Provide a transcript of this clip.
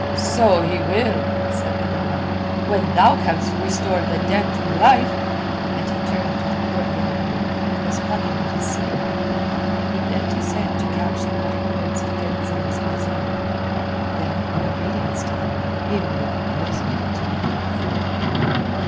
"So he will," said the dalal, "when thou canst restore the dead to life," and he turned to the portly Ayoub, who was plucking at his sleeve. He bent his head to catch the muttered words of Fenzileh's wazeer. Then, in obedience to them, he ordered Rosamund to be brought forward.